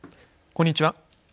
こんにちは。